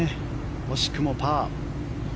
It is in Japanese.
惜しくもパー。